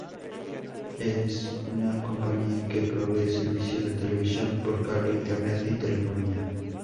Es una compañía que provee servicios de televisión por cable, internet y telefonía.